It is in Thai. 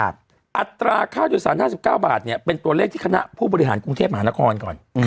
อัตราค่าโดยสาร๕๙บาทเป็นตัวเลขที่คณะผู้บริหารกรุงเทพมหานครก่อน